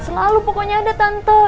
selalu pokoknya ada tante